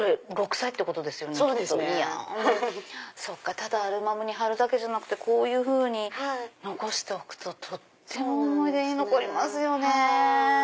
ただアルバムに貼るだけじゃなくこういうふうに残しておくととっても思い出に残りますよね。